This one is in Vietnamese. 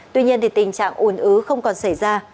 tuy nhiên tình trạng ồn ứ không còn xảy ra